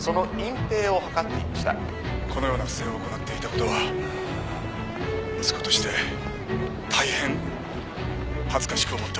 このような不正を行っていたことは息子として大変恥ずかしく思っております。